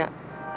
artinya lo rusak